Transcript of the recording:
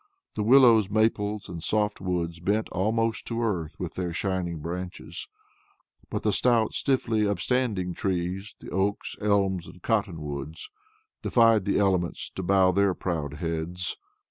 The willows, maples, and soft woods bent almost to earth with their shining burden; but the stout, stiffly upstanding trees, the oaks, elms, and cottonwoods defied the elements to bow their proud heads.